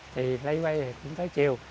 thì lấy quay thì cũng tới chiều